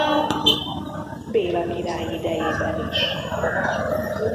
Béla király idejében is.